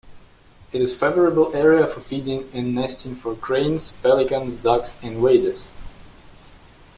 It is favorable area for feeding and nesting for Cranes, Pelicans, Ducks and Waders.